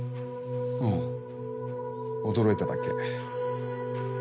ああ驚いただけ。